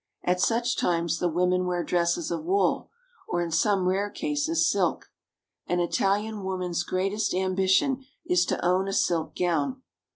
At such times the women wear dresses of wool — or in some rare cases silk ; an Italian woman's greatest ambition is to own a silk gown.